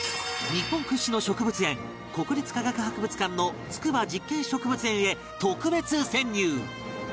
日本屈指の植物園国立科学博物館の筑波実験植物園へ特別潜入！